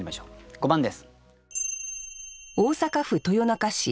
５番です。